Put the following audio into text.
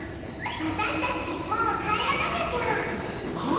わたしたちもう帰らなきゃぴょん。